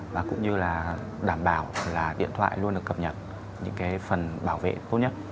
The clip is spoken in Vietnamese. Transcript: và cũng như là đảm bảo là điện thoại luôn được cập nhật những cái phần bảo vệ tốt nhất